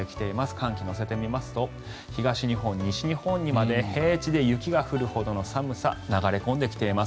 寒気を乗せてみますと東日本、西日本にまで平地で雪が降るほどの寒さ流れ込んできています。